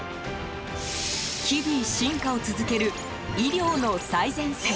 日々進化を続ける医療の最前線。